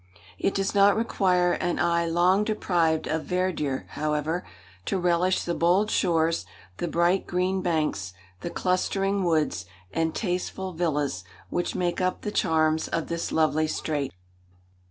It does not require an eye long deprived of verdure, however, to relish the bold shores, the bright green banks, the clustering woods, and tasteful villas, which make up the charms of this lovely strait.